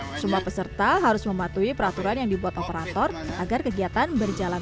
semua peserta harus mematuhi peraturan yang dibuat operator agar kegiatan berjalan